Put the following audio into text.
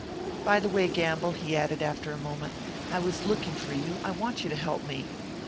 "By the way, Gamble," he added, after a moment, "I was looking for you. I want you to help me."